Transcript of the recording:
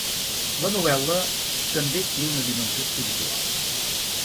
La novel·la també té una dimensió espiritual.